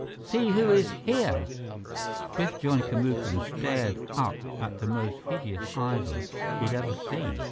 See who is here!" Biff joined Kamuka and stared up at the most hideous idol he had ever seen.